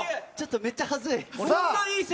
ちょっとめっちゃはずい。